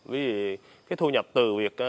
vì cái thu nhập từ việc